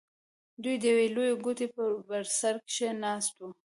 دوى د يوې لويې کوټې په بر سر کښې ناست وو.